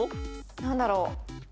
何だろう